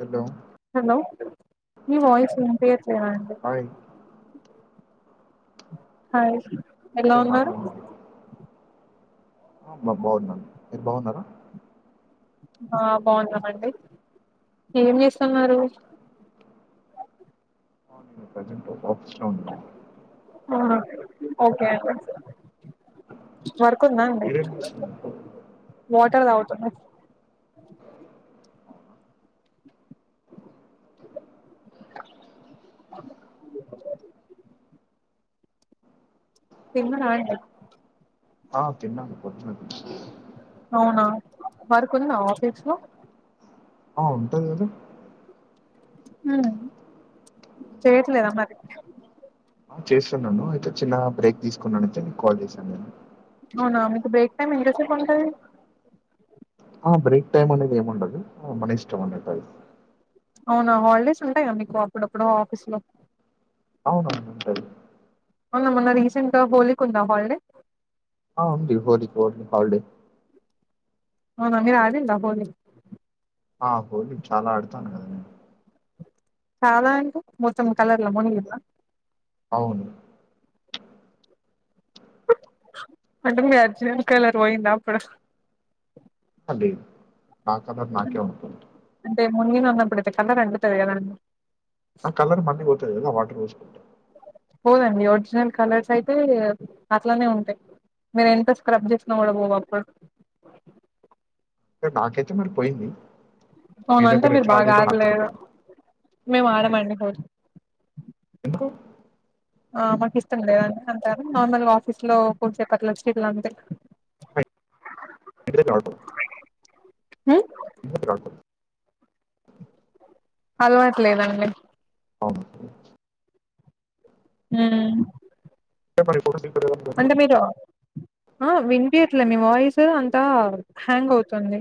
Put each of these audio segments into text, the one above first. Hello hello మీ voice వినిపియట్లేదండి hi hi ఎలా సరే ఉన్నారు మాట్లాడండి బా బాగున్నాను మీరు బాగున్నారా ఆ బాగున్నామండి ఏం చేస్తున్నారు ఆ నేను ప్రజెంట్ ఆఫీస్ లో ఉన్నా ఆహా ఓకే అండీ వర్క్ ఉందా అండి మీరేం చేస్తున్నారు వాట్ ఎక్కడ తాగుతున్నావ్ [inaudible] పెన్ రాయాళ్ళ ఆ తిన్నను పొద్దున కొంచం వర్కు ఉందా ఆఫీస్ లో ఆ ఉంటది కదా హ్మ్ చేయట్లేద మరి చేస్తున్నాను అయితే చిన్న బ్రేక్ తీసుకున్నాను అయితే కాల్ చేశాను నేను అవునా మీకు బ్రేక్ టైమ్ ఎంతసేపు ఉంటది ఆ బ్రేక్ టైమ్ అనేది ఏము ఉండదు మన ఇష్టం అండి టైమ్ అవునా హాలిడేస్ ఉంటాయా మీకు అప్పుడప్పుడు ఆఫీస్ లో అవును అండి ఉంటాయి అవున మొన్న రీసెంట్ గా హోలీ కి ఉందా హాలిడే ఆ ఉంది హోలీ రోజు హాలిడే అవునా మీరు ఆడిండా హోలీ ఆ హోలీ చాలా ఆడతాను కదా నేను చాలా అంటే మొత్తం కల్లర్ల మునిగిండ్ర అవును హ్మ్ హు అంటే మీ ఒరిజినల్ కలర్ ఓయిందప్పుడు ఆ, లేదు నాకు కలర్ నాకే ఉంటుంది అంటే మునిగిన్నప్పుడుడతే కలర్ అంటుతాదికదండీ ఆ కలర్ మళ్ళిపోతుంది కదా వాటర్ పోసుకుంటే పోదండి ఒరిజినల్ కలర్స్ అయితే అట్లానే ఉంటాయి మీర ఎంత స్క్రబ్ చేసిన కూడా పోవు అప్పుడు నాకైతే మరి పోయింది మీ అవునంటే దగ్గర మీరు ఎట్లా బాగా ఆడేదో నాకు ఆడలేదు తెలియదు మేము ఆడమండి పో ఆ మాకు ఇష్టం లేదండి అంటారు నార్మల్గా ఆఫీస్ లో ఫోన్సేపట్ల వచ్చ ఇట్లా అంతే [unintelligible] హ ఇంకా ఉంది అలవాట్లేదండి అవునండి హ్మ్ హు ఎ మపోడ [inaudible] ఆ వినిపియ్యట్లేదు మీ వాయిస్ అంతా హ్యాంగ్ అవుతుంది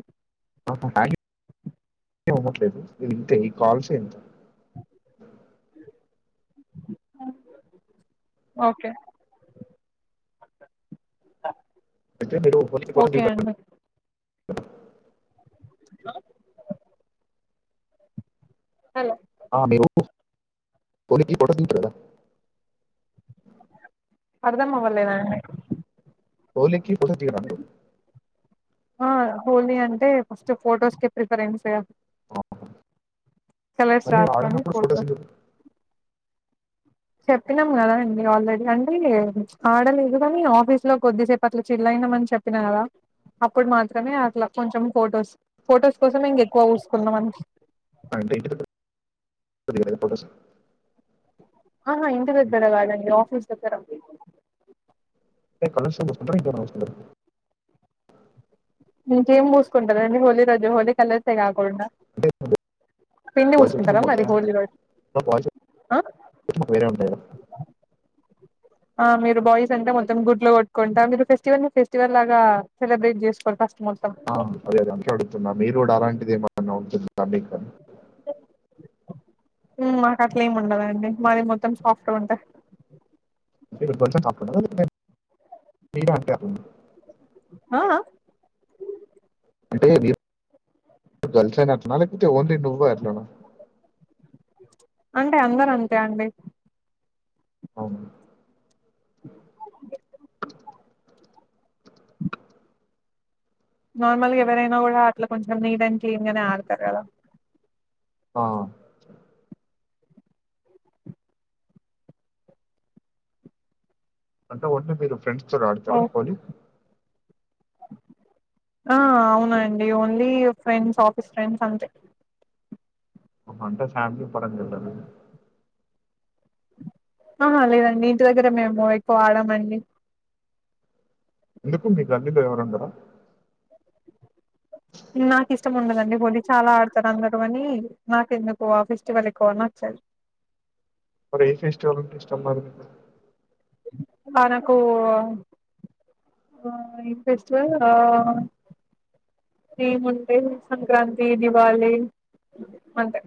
అవట్లేదు ఇ ఇంతే ఈ కాల్సే ఇంత అ ఓకే [inaudible] తే మీరుప ఓకే [inaudible] అండి హలో ఆ మీరు కొలికి పట తీపడదా [unintelligible] అర్థమవ్వలేదండి కోలీకి కథ బనలో [unintelligible] ఆ హోలీ అంటే ఫస్ట్ ఫోటోస్ కి ప్రిఫరెన్స్ మరి చలస్తస్కడి ఆడనప్పుడు ఫోటోస్ [unintelligible] ఎందుకు చెప్పినాం కదా అండి ఆల్రెడీ అంటే ఆడలేదు కాని ఆఫీస్ లో కొద్దిసేపు అట్లా చిల్ల్ ఉండమని చెప్పినా కదా అప్పుడు మాత్రమే అట్లా కొంచెం ఫోటోస్ ఫోటోస్ కోసం ఇంక ఎక్కువ ఊసుకుందాం అని పంట సార్ [unintelligible] ఆహా ఇంటి దగ్గర కాదు అండి ఆఫీస్ దక్కర ఏ కాల స వస్తు వస్తు [unintelligible] ఇంకేం పూసుకుంటారండి హోలీ రోజు హోలీ కలర్సే కాకుండా అంటే పిండి వాయిస్ వచ్చి పూసుకుంటారా మేము మరి హోళీ రోజు వాయిస్ వచ్చి హా వేరే ఉంటయి కదా ఆ మీరు బాయ్స్ అంటే మొత్తం గుడ్లో కొట్టుకుంటా మీరు ఫెస్టివల్ని ఫెస్టివల్ లాగా సెలబ్రేట్ చేసుకో ఆ అదే అదే అందుకే అడుగుతున్నా మీ రోడ్ అలాంటిది ఏమన్నా ఉంటుందా మీకు అని మాకు అట్లా ఏమి ఉండదండి మాది మొత్తం సాఫ్ట్గా ఉంటది షప్పుడు [unintelligible] ఆఆ అంటే తెల్సాన నలకితే ఓన్ రండివ్వ అలావా [unintelligible] అంటే అందరు అంతే అండి అవును నార్మల్గా ఎవరైనా కూడా అట్లా కొంచెం నీట్ అండ్ క్లీన్ గానే ఆడతారు కదా ఆ అంటే ఓన్లీ మీరు ఫ్రెండ్స్ తో ఆడతారా హోలీ ఆ అవునాండి ఓన్లీ ఫ్రెండ్స్ ఆఫీస్ ఫ్రెండ్స్ అంతే అంటే ఫ్యామిలీ ఇ పడ జల [unintelligible] ఆహా లేదండి ఇంటి దగ్గర మేము ఎక్కువ ఆడమండి ఎందుకుంది అల్ల్లోవరంటార [unintelligible] నాకు ఇష్టం ఉండదండి హోలీ చాలా ఆడతారు అందరూ అని నాకు ఎందుకో ఆ ఫెస్టివల్ ఎక్కువ నచ్చదు ఒకే ఏ ఫెస్టివల్ అంటే ఇష్టమ్ మరి ఆ నకు ఇన్ ఫెస్టివల్ [unintelligible] ఏమ్ ఉంటయి సంక్రాంతి దివాళి అంతే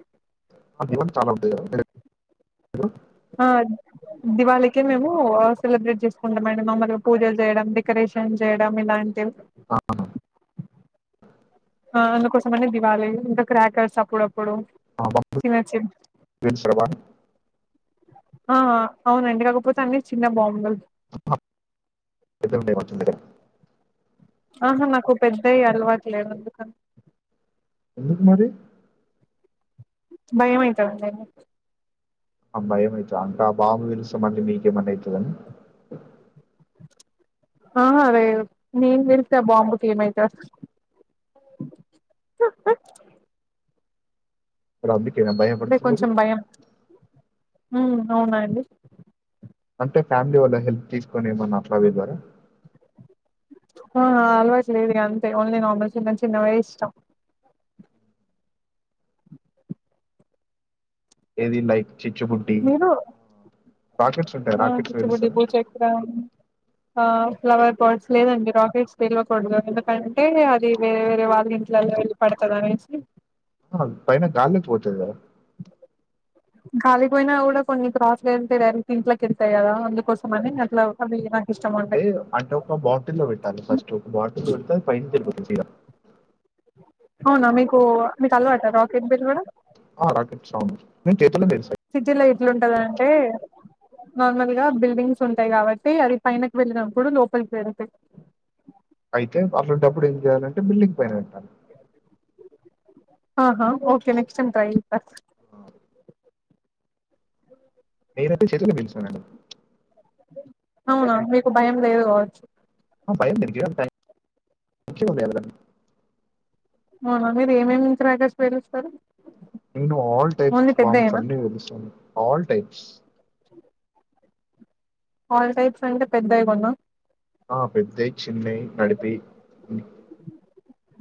అదిీవన్ చాల [unintelligible] ఆ దివాళికి మేము సెలబ్రేట్ చేసుకుంటాం మేడం మమ్మలు పూజలు చేయడం డెకరే షం చేయడం ఇలాంటివి ఆ [unintelligible] ఆ అందుకోసమనే దివాళి ఇంకా క్రాకర్స్ అప్పుడప్పు ఆ, బాంబు పచ్చ పేలుస్తారా [unintelligible] బాగా? ఆ అవునండి కాకపోతే అన్ని చిన్న బాంబులు ఎద్దే వచ్చంతకం [unintelligible] ఆహా నాకు పెద్దవి అలవాట్లేదు అందుకని అందుకుమారి [unintelligible] భయం అయితాంది [unintelligible] ఉంట అ భయమైతది అంటే బాబు విలుస్తే మళ్ళీ మీకేమన్నా అయితదని ఆహ రే నేను తెలితె ఆ బాంబుకి ఏమైతర్ రబ్బి అంటే కొంచెం భయం హు అవునా అండి అంటే ఫ్యామిలీ వాళ్ళ హెల్ప్ తీసుకొని ఏమన్నా అట్ల పిలువరా ఆ అలవాటు లేదు ఇగ అంతే ఓన్లీ నర్మల్ చిన్న చిన్నవే ఇష్టం ఏది లైక్ చిచ్చుబుటి మీరు ఆ చిచ్చు బుడ్డి బూ చక్రం ఆ ఫ్లవర్ బట్స్ లేదండి రాకెట్స్ తెిలవకూడదు ఎందుకంటే అది వేరే వేరే వాళ్ళ ఇంట్లలో వెళ్ళి పడ్ తధానేసి పైన గాల్కి పోతది కదా గాాలికి పోయిన కూడా కొన్ని క్రాసులో వెళ్తాయి డైరెక్ట్ ఇంట్లోకి వేళ్తాయి కదా అందుకోసం అని అట్లా అవి ఇష్టం ఉంటాయి టే అంటే ఒక బాటిళ్ళ పెట్టాలి ఫస్ట్ బాటిల్ పెడితే అది పైనుంచి ఎల్లిపోతాది సిదా అవునా మీకు మీకు అలవాట రాకెట్ పెలవడం ఆ రాకట్ అవును నేను చేతుల్లో పేలుస్తా ట్లుంటదంటే నార్మల్గా బిల్డింగ్స్ ఉంటాయి కాబట్టి అది పైనకి వెళ్ళినప్పుడు లోపలికి వెల్తాయ్ అయితే అట్లాంటప్పుడు ఏం చేయాలంటే బిల్డింగ్ పైన పెట్టాలి అహ ఓకే నెక్స్ట్ టైమ్ ట్రై చెత్త నినైతే చేతిలోనే పెల్చినానండి అవునా మీకు భయం లేదు కావచ్చు ఆ భయం దేనికి టై మం చి [unintelligible] అవునా మీరు ఏమేమి క్రకార్స్ పెల్చుతారు నేను ఆల్ టైప్స్ బామ్స్ అన్నీ పెలుస్తాను ఆల్ టైప్స్ ఆల్ టైప్స్ అంటే పెద్దవి కున్నా ఆ పెద్దయ్ చిన్నై నడిపియ్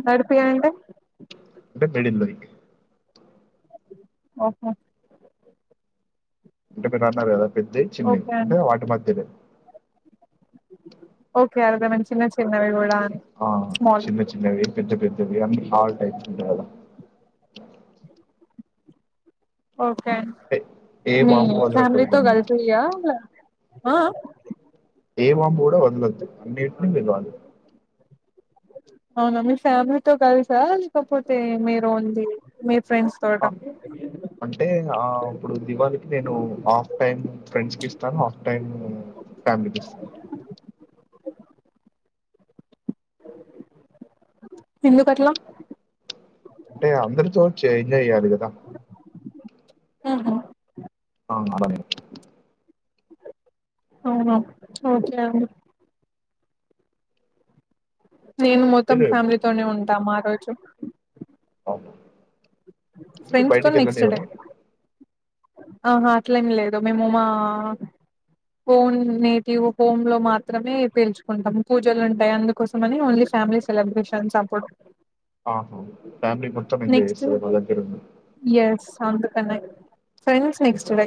నడిపియంటే టే మీడిల్ లైక్ ఓహో అంటే మీరు అన్నారు కదా పెద్ద్దయ్ చిన్నయ్ ఓకే అంటే అండి వాటి మధ్యలై ఓకే అర్దమైంది చిన్న చిన్నవి కూడా అని ఆ స్మాల్ చిన్న చిన్నవి పెద్ద పెద్దవి అన్ని హాల్ టైప్స్ ఉంటాయ్ కదా ఓకే అంటే ఏ మీ బాంబు ఫ్యామిలీ తో వదలకూడదండి. కలిపి ఆ ఆ ఆ ఏవాం పో కూడా వందదు అన్నిట్ [unintelligible] ఆ మమ్మీ ఫ్యామిలీతో కలుసా లేకపోతే మీరు ఉంది మీ ఫ్రెండ్స్ తోట ఆ అంటే ఆ ఆప్పుడు దివాళి నేను హాఫ్ టైమ్ ఫ్రెండ్స్ కి ఇస్తాను హాఫ్ టైమ్ ఫ్యామిలీకి ఇస్తాను ఎందుకట్లా అంటే అందరితో ఎంజా చెయ్యాలి కదా ఆహా ఆ అలా అవునా ఓకే అండి నేను మొత్తం మీరు ఫ్యామిలీతోనే ఉంటాము ఆ రోజు అవును ఎందుకు ఫ్రెండ్స్ తో బయటికి నెక్స్ట్ డే వెళ్ళనివ్వరా ఆహా అట్లేమి లేదు మేము మా ఒన్ నేటి హోమ్ లో మాత్రమే పేల్చుకుంటాం పూజలు ఉంటాయి అందుకోసమని ఓన్లీ ఫ్యామీలీ సెలబ్రేషన్స్ అప్పు ఆహా ఫ్యామిలీ మొత్తం ఎంజాయ్ నెక్స్ట్ చేస్తారు మా దగ్గర ఉం yes friends next day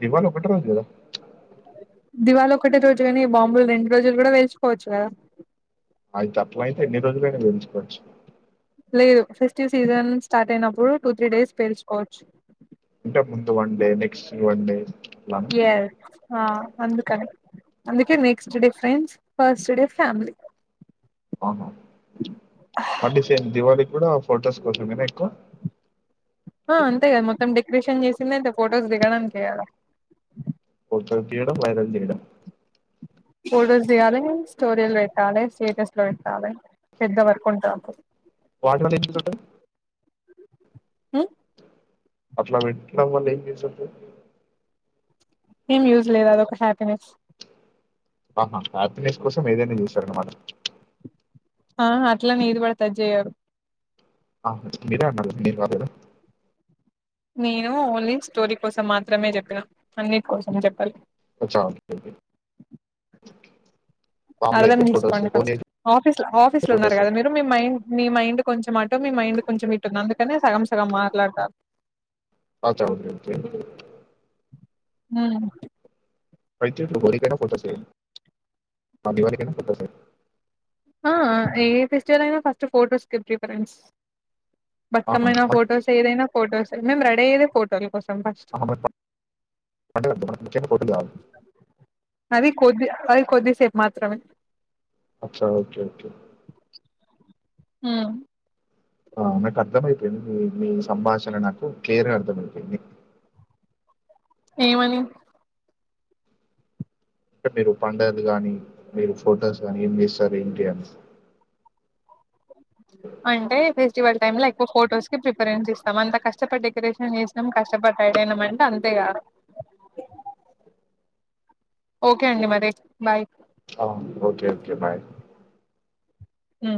Diwali ఒకటి రోజు కదా దివాళి ఒకటే రోజు గానీ బాంబులు రెండు రోజులు కూడా పేల్చుకోవచ్చు కదా అయి గట్లయితే ఎన్ని రోజులైనా పేల్చుకోచ్చు లేదు ఫెస్టివ్ సీజన్ స్టార్ట్ అయినప్పుడు టూ త్రీ డేస్ పేల్చుకోవచ్చు అంటే ముందు one day next one day అట్లానా ఎస్ ఆ అందుకని అందుకే next day friends first day family ఆహా [unintelligible] మీద ఎక్కువ ఆ అంతే కదా మొత్తం డెకరేషన్ చేసింద అతే ఫొటోస్ దిగడానికే కదా ఫొటోలు తీయడం వైరల్ చేయడం ఫోటోస్ తీయాలి స్టోరీలు పెట్టాలి స్టేటస్ లో పెట్టాలి పెద్ద వర్క్ ఉంటాది వాటి వల్ల ఏం యూస్ ఉంటుంది మ్ అట్లా మట్లా న చేస ఏం యూజ్ లేదు అది ఒక హ్యాపీనెస్ ఆహా హ్యాపీనెస్ కోసం ఏదైనా చేశారన్నమాట ఆహా అట్లని ఏది పడితే అది చెయ్యరు. ఆ మీరే అన్నారు కదా మీరు కాదు కదా నేను ఓన్లీ స్టోరీ కోసం మాత్రమే చెప్పినా అన్నిటి కోసం చెప్పలే అచ్చా [unintelligible] మామూలు అర్థం అయితే ఫోటోస్, తీసుకోండి హోలీ ఫస్ట్ అయితే ఆఫీస్ లో ఆఫీస్ లో ఉన్నారు ఫోటోస్. కదా మీరు మీ మైండ్ మీ మైండ్ కొంచెం అట మీ మైండ్ కొంచెం ఇట్ ఉంది అందుకనే సగం సగం మాట్లాడతారు అ త [unintelligible] ఆ అయితేలు గరి కనా ఫోటాస మాదివాళని కనా ఫోటాస ఆ ఏ ఫెస్టివల్ అయినా ఫస్ట్ ఫోటోస్ కే ప్రిఫరెన్స్ ఆహా! బతుకమ్మైనా బట్ ఫోటోస్ ఏ ఏదైనా ఫోటోస్ ఎ మేము రెడీ అయ్యేదే ఫోటోల కోసం ఫస్ట్ అహమద్ అంటే ముక్యమైనవి ఫోటోలు కాలి అది కొద్ది అది కొద్దిసేపు మాత్రమే అచ్చా ఓకే ఓకే మ్ ఆ నాకు అర్థమయిపోయింది మీ మీ సంభాషణ నాకు క్లియర్గా అర్థమయిపోయింది ఏమని అంటే మీరు పండగది గానీ మీరు ఫొటోస్ కానీ ఏం చేస్తారు ఏంటి అని అంటే ఫెస్టివల్ టైమ్ లో ఎక్కువ ఫోటోస్ కి ప్రిఫరెన్స్ ఇస్తాం అంత కష్టపడ్ డెకరేషన్ చేసినామ్ కష్టప రెడీ అనాం అంటే అంతే ఇగ ఓకే అండి మరి బాయ్ ఆ ఓకే ఓకే బాయ్ మ్